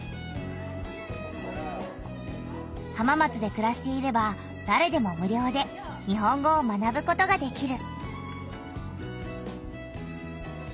浜松でくらしていればだれでも無料で日本語を学ぶことができる。